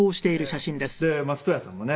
で松任谷さんもね